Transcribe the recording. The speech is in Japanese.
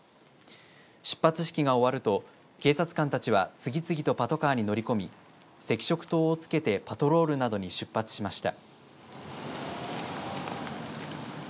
出発式が終わると警察官たちは次々とパトカーに乗り込み赤色灯をつけてパトロールなどに出発しました。